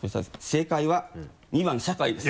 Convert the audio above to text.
正解は２番社会です。